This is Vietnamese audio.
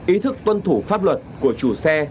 ý thức tuân thủ pháp luật của chủ xe